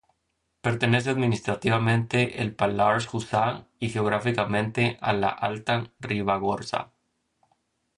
Pertenece administrativamente el Pallars Jussá y geográficamente a la Alta Ribagorza.